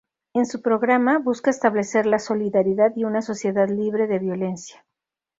En su programa, busca establecer "la solidaridad y una sociedad libre de violencia".